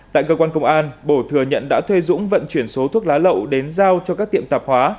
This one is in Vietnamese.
tại cơ quan công an bổ thừa nhận đã thuê dũng vận chuyển số thuốc lá lậu đến giao cho các tiệm tạp hóa